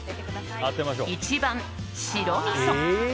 １番、白みそ。